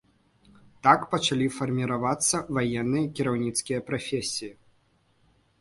Так пачалі фарміравацца ваенныя і кіраўніцкія прафесіі.